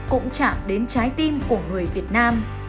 cũng chạm đến trái tim của người pháp